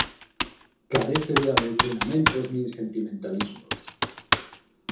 Carece de adoutrinamentos nin sentimentalismos.